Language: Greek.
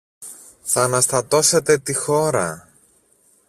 Θ' αναστατώσετε τη χώρα!